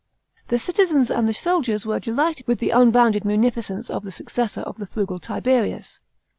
The citizens and the soldiers were delighted with the unbounded munificence of the successor of the frugal Tiberius.